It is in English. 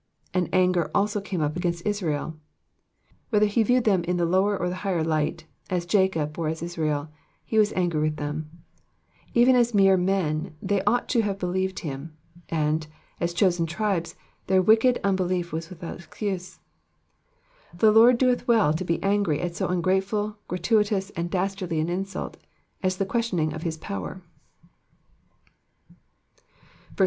^''And anger also eame up against IsraeV* Whether he viewed them in the lower or higher light, as Jacob or as Israel, he was angry with them : even as mere men they ought to have believed him; and, as chosen tribes, their wicked unbelief was without excuse. The Lord doeth well to be angry at so ungrateful, gratuitous and dastardly an insult as the questioning of his power.